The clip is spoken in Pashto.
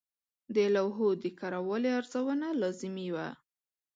د لوحو د کره والي ارزونه لازمي وه.